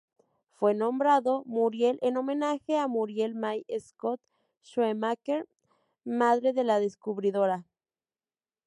Fue nombrado Muriel en homenaje a "Muriel May Scott Shoemaker" madre de la descubridora.